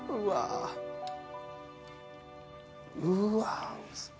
うわ。